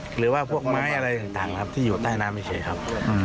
หรือว่าพวกไม้อะไรต่างครับที่อยู่ใต้น้ำเฉยครับ